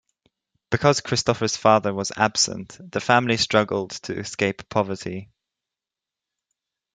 Because Christopher's father was absent, the family struggled to escape poverty.